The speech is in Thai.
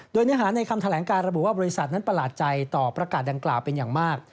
โดยเนื้อหาในคำแถลงการระบุว่าบริษัทนั้นประหลาดใจต่อประกาศดังกล่าวเป็นอย่างมาก